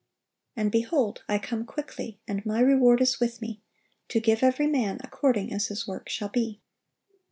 And, behold, I come quickly; and My reward is with Me, to give every man according as his work shall be."